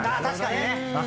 確かにね！